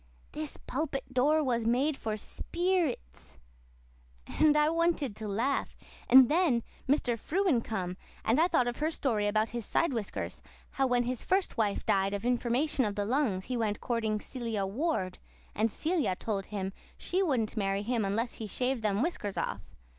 "'This pulpit door was made for speerits' and I wanted to laugh. And then Mr. Frewen come and I thought of her story about his sidewhiskers how when his first wife died of information of the lungs he went courting Celia Ward, and Celia told him she wouldn't marry him unless he shaved them whiskers off.